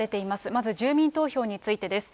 まず住民投票についてです。